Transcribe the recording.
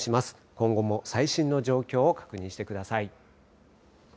今後も最新の状況を確認してください。